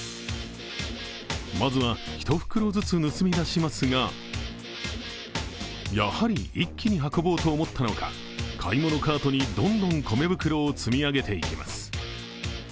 まずは１袋ずつ盗み出しますが、やはり一気に運ぼうと思ったのか、買い物カートにどんどん米袋を積み上げていきます。